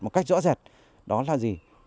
một cách rõ ràng đó là gì